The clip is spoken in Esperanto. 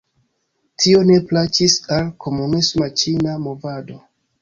Tio ne plaĉis al komunisma ĉina movado.